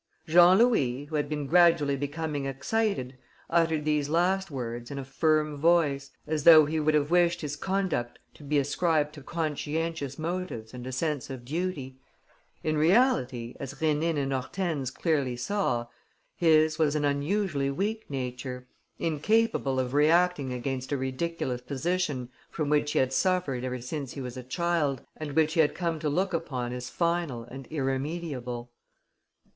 Jean Louis, who had been gradually becoming excited, uttered these last words in a firm voice, as though he would have wished his conduct to be ascribed to conscientious motives and a sense of duty. In reality, as Rénine and Hortense clearly saw, his was an unusually weak nature, incapable of reacting against a ridiculous position from which he had suffered ever since he was a child and which he had come to look upon as final and irremediable.